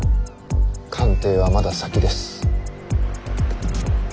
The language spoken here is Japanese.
官邸はまだ先です。